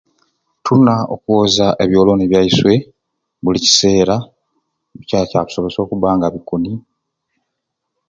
Tulina okwoza obyoloni byaiswei buli kiseera nikyo kyabisobolesya okuba nga bikuni